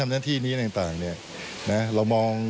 ทำหน้าที่นี้แหล่งต่าง